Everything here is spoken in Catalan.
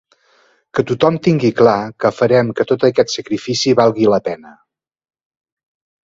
Que tothom tingui clar que farem que tot aquest sacrifici valgui la pena.